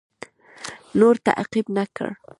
نور تعقیب نه کړ.